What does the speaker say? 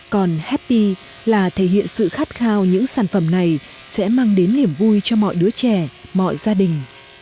còn happy là thể hiện sự khát khao những sản phẩm này sẽ mang đến niềm vui cho mọi đứa trẻ mọi gia đình